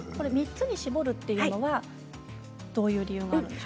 ３つに絞るというのはどういう理由なんですか。